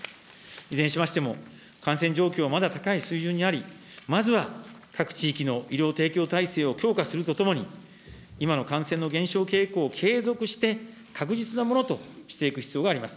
いずれにしましても、感染状況がまだ高い水準にあり、まずは各地域の医療提供体制を強化するとともに、今の感染の減少傾向を継続して、確実なものとしていく必要があります。